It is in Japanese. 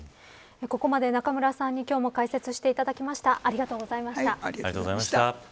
ここまで、中村さんに今日も解説していただきました。